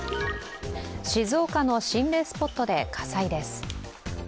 静岡の心霊スポットで火災です。